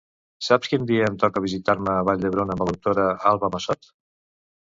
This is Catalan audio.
Saps quin dia em toca visitar-me a Vall d'Hebron amb la doctora Alba Massot?